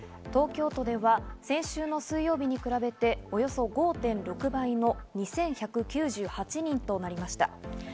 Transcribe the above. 東京都では先週の水曜日に比べておよそ５．６倍の２１９８人となりました。